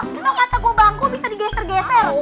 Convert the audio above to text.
kenapa mata gua bangku bisa digeser geser